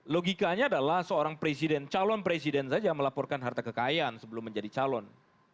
logikanya adalah seorang presiden calon presiden saja melaporkan harta kekayaan sebelum menjadi calon